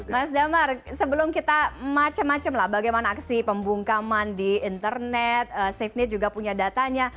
mas damar sebelum kita macam macam lah bagaimana aksi pembungkaman di internet safenet juga punya datanya